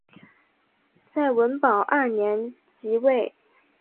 在文保二年即位。